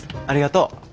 ありがとう。